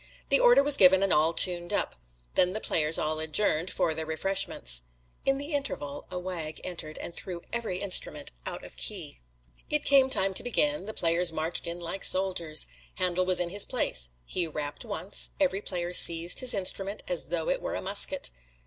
The order was given, and all tuned up. Then the players all adjourned for their refreshments. "In the interval a wag entered and threw every instrument out of key. "It came time to begin the players marched in like soldiers. Handel was in his place. He rapped once every player seized his instrument as though it were a musket.